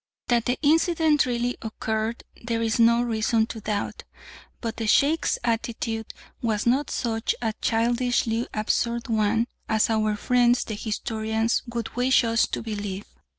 That the incident really occurred there is no reason to doubt, but the Sheikh's attitude was not such a childishly absurd one as our friends the historians would wish us to believe.